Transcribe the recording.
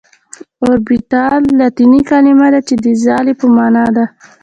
اوربيتال لاتيني کليمه ده چي د ځالي په معنا ده .